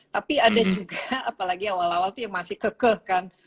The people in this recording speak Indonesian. tapi ada juga apalagi awal awal itu yang masih kekeh kan